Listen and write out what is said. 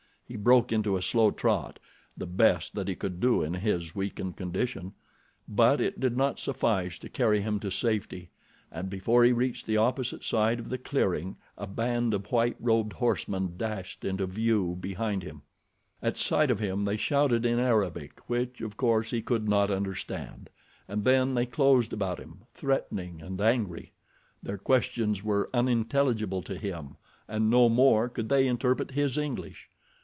He broke into a slow trot—the best that he could do in his weakened condition; but it did not suffice to carry him to safety and before he reached the opposite side of the clearing a band of white robed horsemen dashed into view behind him. At sight of him they shouted in Arabic, which, of course, he could not understand, and then they closed about him, threatening and angry. Their questions were unintelligible to him, and no more could they interpret his English.